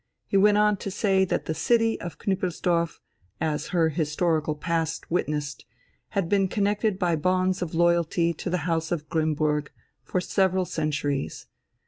He went on to say that the city of Knüppelsdorf, as her historical past witnessed, had been connected by bonds of loyalty to the House of Grimmburg for several centuries.